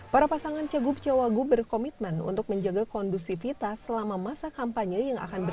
para pasangan cagub cawagub berkomitmen untuk menjaga kondusivitas selama masa kampanye